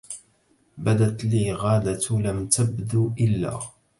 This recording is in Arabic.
بدت لي غادة لم تبد إلا